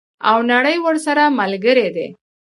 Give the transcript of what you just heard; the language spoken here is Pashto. او نړۍ ورسره ملګرې ده.